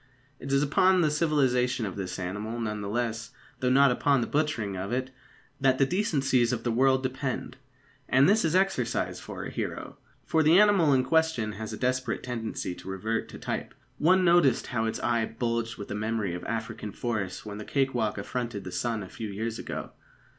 It is upon the civilisation of this animal, none the less, though not upon the butchering of it, that the decencies of the world depend. And this is exercise for a hero, for the animal in question has a desperate tendency to revert to type. One noticed how its eye bulged with the memory of African forests when the cake walk affronted the sun a few years ago.